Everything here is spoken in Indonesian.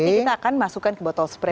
nanti kita akan masukkan ke botol spray